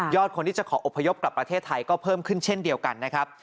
คนที่จะขออพยพกลับประเทศไทยก็เพิ่มขึ้นเช่นเดียวกันนะครับ